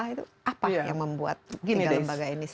itu apa yang membuat tiga lembaga ini sangat penting